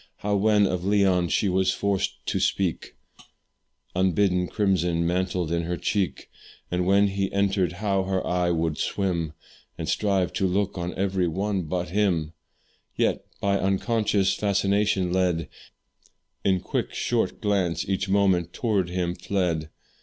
How when of Leon she was forced to speak, Unbidden crimson mantled in her cheek; And when he entered, how her eye would swim, And strive to look on every one but him; Yet, by unconscious fascination led, In quick short glance each moment tow'rds him fled.